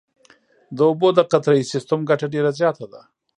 د اوبو د قطرهیي سیستم ګټه ډېره زیاته ده.